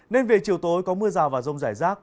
nên về chiều tối có mưa rào và rông rải rác